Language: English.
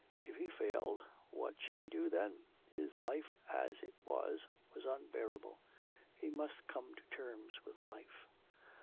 If he failed... what should he do then? His life as it was, was unbearable... he must come to terms with life....